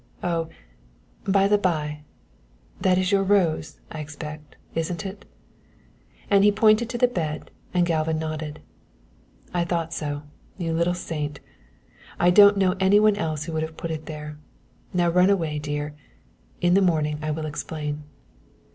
Oh, by the bye, that is your rose, I expect, isn't it?" and he pointed to the bed, and Galva nodded. "I thought so, you little saint; I don't know any one else who would have put it there. Now run away, dear in the morning I will explain."